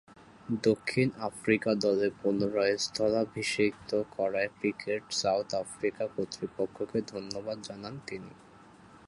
দক্ষিণ আফ্রিকা দলে পুনরায় স্থলাভিষিক্ত করায় ক্রিকেট সাউথ আফ্রিকা কর্তৃপক্ষকে ধন্যবাদ জানান তিনি।